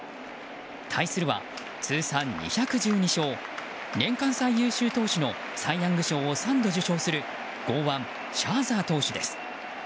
対するは通算２１２勝年間最優秀投手のサイ・ヤング賞を３度受賞する剛腕・シャーザー投手です。